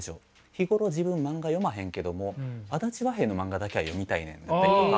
「日頃自分漫画読まへんけども足立和平の漫画だけは読みたいねん」だったりとか。